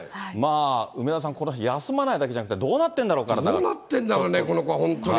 梅沢さん、この人、休まないだけじゃなくて、どうなってるんだろう、どうなったんだろうね、この子は本当に。